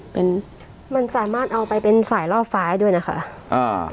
เป็นมันสามารถเอาไปเป็นสายรอบฟ้ายด้วยนะคะอ่า